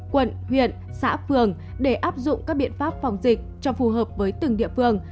quận huyện xã phường để áp dụng các biện pháp phòng dịch cho phù hợp với từng địa phương